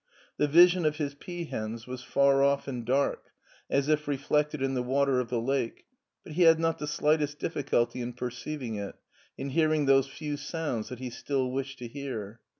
The vision of his peahens was far off and dark, as if reflected in the water of the lake, but he had not the slightest difficulty in perceiving it, in hearing those few sounds that he still wished to hear.